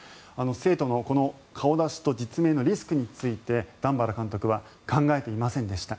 生徒のこの顔出しと実名のリスクについて段原監督は考えていませんでした